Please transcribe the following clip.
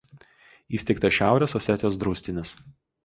Įsteigtas Šiaurės Osetijos draustinis.